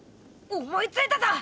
思いついたぞ！